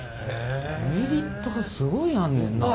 メリットがすごいあんねんな。